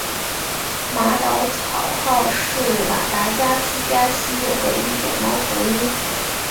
马岛草鸮是马达加斯加稀有的一种猫头鹰。